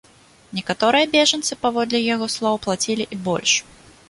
Некаторыя бежанцы, паводле яго слоў, плацілі і больш.